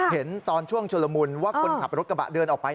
เห็นตอนช่วงชุลมุนว่าคนขับรถกระบะเดินออกไป